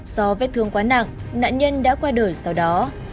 do vết thương quá nặng nạn nhân đã qua đời sau đó